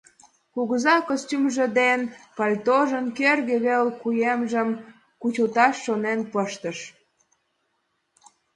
Кугыза костюмжо ден пальтожын кӧргӧ вел куэмжым кучылташ шонен пыштыш.